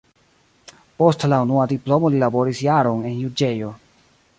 Post la unua diplomo li laboris jaron en juĝejo.